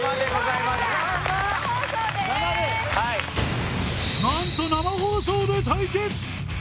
はい何と生放送で対決！